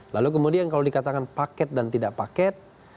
lalu kemudian kalau dikatakan paket dan tidak paket